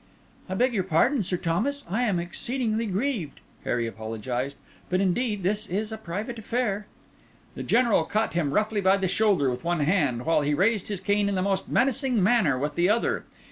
"I beg your pardon, Sir Thomas, I am exceedingly grieved," Harry apologised; "but indeed this is a private affair." The General caught him roughly by the shoulder with one hand, while he raised his cane in the most menacing manner with the other.